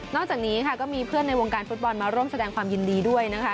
จากนี้ค่ะก็มีเพื่อนในวงการฟุตบอลมาร่วมแสดงความยินดีด้วยนะคะ